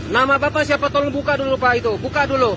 nama bapak siapa tolong buka dulu pak itu buka dulu